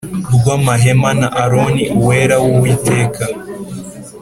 Rw amahema na aroni uwera w uwiteka